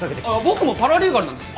僕もパラリーガルなんです。